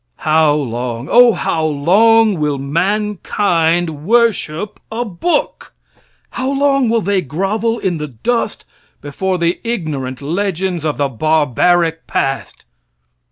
How long, O how long will mankind worship a book? How long will they grovel in the dust before the ignorant legends of the barbaric past?